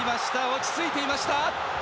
落ち着いていました。